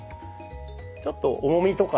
ちょっと重みとか。